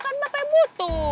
kan bapak yang butuh